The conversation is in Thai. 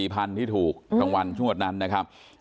๘๔๐๐๐บาทที่ถูกตั้งวันช่วงนั้นนะครับ